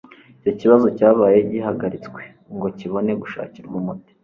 icyo kibazo cyabaye gihagaritswe ngo kibone gushakirwa umuti